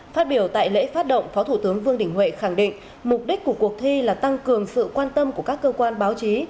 phát biểu tại lễ phát động phó thủ tướng vương đình huệ khẳng định mục đích của cuộc thi là tăng cường sự quan tâm của các cơ quan báo chí